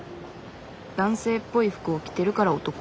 男性っぽい服を着てるから男？